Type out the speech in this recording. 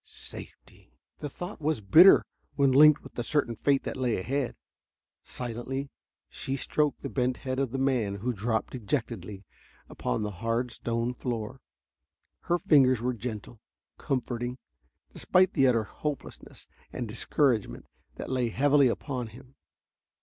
"Safety!" The thought was bitter when linked with the certain fate that lay ahead. Silently she stroked the bent head of the man who dropped dejectedly upon the hard stone floor. Her fingers were gentle, comforting, despite the utter hopelessness and discouragement that lay heavily upon him.